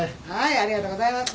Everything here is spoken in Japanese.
ありがとうございます。